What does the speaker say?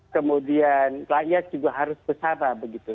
kemudian rakyat juga harus bersama